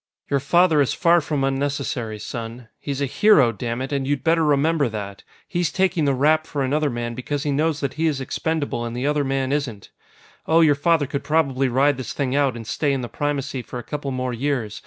"Your father is far from unnecessary, son. He's a hero, dammit, and you'd better remember that! He's taking the rap for another man because he knows that he is expendable and the other man isn't. "Oh, your father could probably ride this thing out and stay in the Primacy for a couple more years.